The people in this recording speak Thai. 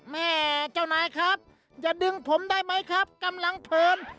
แม่เจ้านายครับจะดึงผมได้ไหมครับกำลังเผิน